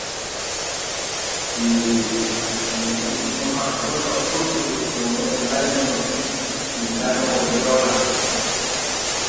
Miŋgiri: « Nen ɓi ko mo hãʼ do ga fur po de tõ moge ɓay no no, ndi ndar gɔ mo yawla? ».